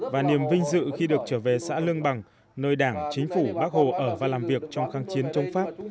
và niềm vinh dự khi được trở về xã lương bằng nơi đảng chính phủ bác hồ ở và làm việc trong kháng chiến chống pháp